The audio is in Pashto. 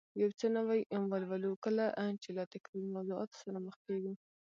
یو څه نوي ولولو، کله چې له تکراري موضوعاتو سره مخ کېږو